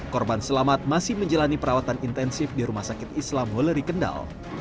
korban selamat masih menjalani perawatan intensif di rumah sakit islam weleri kendal